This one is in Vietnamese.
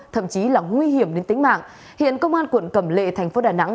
thậm chí là nguy hiểm đến tính mạng hiện công an quận cẩm lệ thành phố đà nẵng